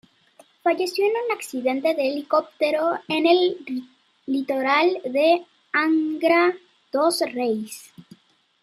Falleció en un accidente de helicóptero en el litoral de Angra dos Reis.